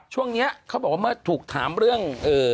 ช่วงนี้เขาบอกว่าเมื่อถูกถามเรื่อง